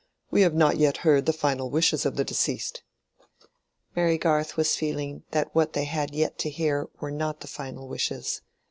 We have not yet heard the final wishes of the deceased." Mary Garth was feeling that what they had yet to hear were not the final wishes.